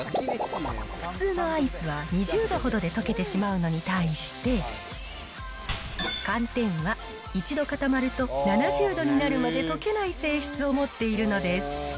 普通のアイスは２０度ほどで溶けてしまうのに対して、寒天は一度固まると７０度になるまで溶けない性質を持っているのです。